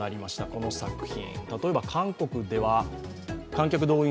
この作品。